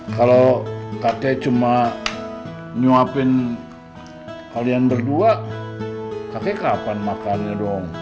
kalau kakek cuma nyuapin kalian berdua kakek kapan makannya dong